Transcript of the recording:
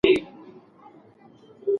هغه وویل چې زه په یو ساعت کې دررسېږم.